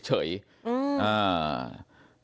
อืม